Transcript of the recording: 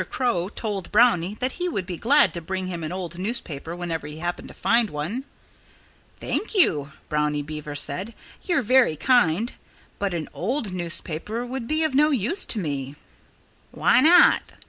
Crow told Brownie that he would be glad to bring him an old newspaper whenever he happened to find one. "Thank you!" Brownie Beaver said. "You're very kind. But an old newspaper would be of no use to me." "Why not?"